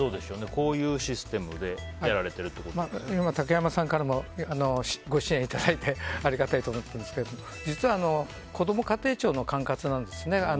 こういうシステムで竹山さんからもご支援いただいてありがたいと思っていますけど実はこども家庭庁の管轄なんです。